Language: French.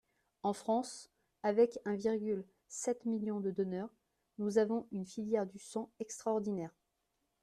En France, avec un virgule sept million donneurs, nous avons une filière du sang extraordinaire.